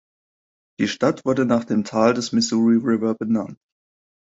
Die Stadt wurde nach dem Tal des Missouri River benannt.